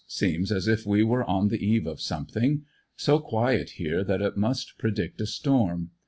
Seems as if we were on the eve of something. So quiet here that it must predict a storm.